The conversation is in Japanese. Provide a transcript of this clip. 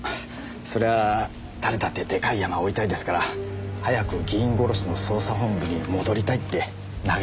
そりゃあ誰だってでかいヤマを追いたいですから早く議員殺しの捜査本部に戻りたいって嘆いてましたよ。